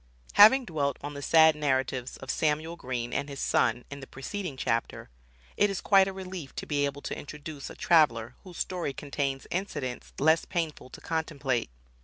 Having dwelt on the sad narratives of Samuel Green and his son in the preceding chapter, it is quite a relief to be able to introduce a traveler whose story contains incidents less painful to contemplate.